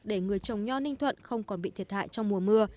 để người trồng nho ninh thuận không còn bị thiệt hại trong mùa mưa